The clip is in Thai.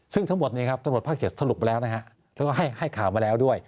ซึ่งทั้งหมดภาค๗สรุปมาแล้วแล้วก็ให้ข่าวมาแล้วด้วย